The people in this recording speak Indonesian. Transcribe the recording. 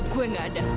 gua nggak ada